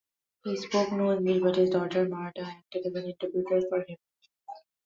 He spoke no English, but his daughter Marta acted as an interpreter for him.